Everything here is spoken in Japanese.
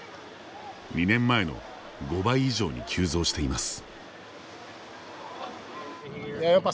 ２年前の５倍以上に急増しています。